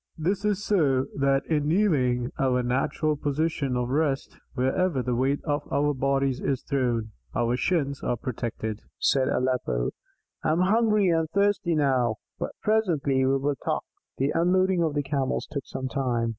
"This is so that in kneeling, our natural position of rest, wherever the weight of our bodies is thrown, our shins are protected," said Aleppo. "I am hungry and thirsty now, but presently we will talk." The unloading of the Camels took some time.